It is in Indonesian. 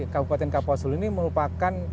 kabupaten kapuas hul ini merupakan